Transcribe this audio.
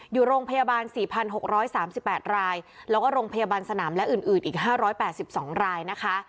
อยู่โรงพยาบาลสี่พันหกร้อยสามสิบแปดรายแล้วก็โรงพยาบาลสนามและอื่นอื่นอีกห้าร้อยแปดสิบสองรายนะคะ